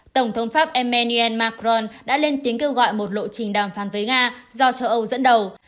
tổng thống pháp emmanuel macron đã lên tiếng kêu gọi một lộ trình đàm phán với nga do châu âu dẫn đầu